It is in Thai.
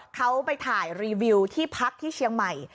เขาไปถ่ายรีวิวที่พักที่เชียงใหม่